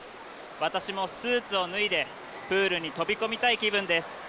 私もスーツを脱いでプールに飛び込みたい気分です。